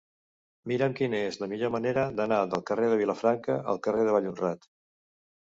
Mira'm quina és la millor manera d'anar del carrer de Vilafranca al carrer de Vallhonrat.